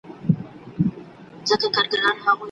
د زده کوونکو اړتیاوې باید وپیژندل سي.